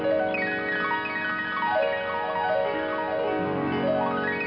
สวัสดีครับ